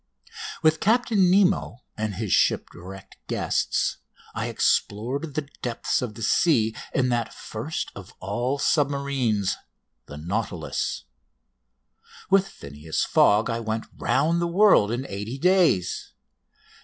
With Captain Nemo and his shipwrecked guests I explored the depths of the sea in that first of all submarines, the Nautilus. With Phineas Fogg I went round the world in eighty days.